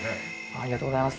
ありがとうございます。